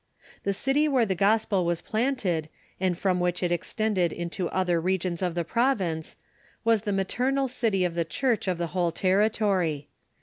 The city where the gospel was planted, and from which it extended into other regions of the province, was the maternal city of the Church of the whole territory.